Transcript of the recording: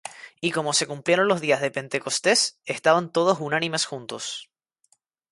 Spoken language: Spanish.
Y como se cumplieron los días de Pentecostés, estaban todos unánimes juntos;